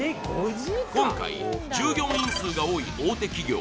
今回従業員数が多い大手企業